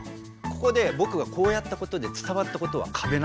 ここでぼくがこうやったことで伝わったことはカベなの。